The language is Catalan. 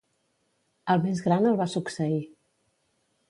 El més gran el va succeir.